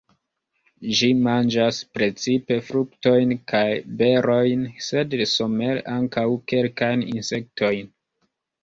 Ĝi manĝas precipe fruktojn kaj berojn, sed somere ankaŭ kelkajn insektojn.